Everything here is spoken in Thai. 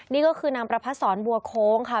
นี่ก็คือนำประพัทธ์สอนวัวโค้งค่ะ